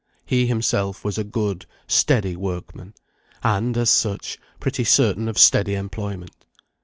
He himself was a good, steady workman, and, as such, pretty certain of steady employment.